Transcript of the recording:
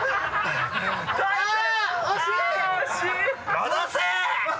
戻せ！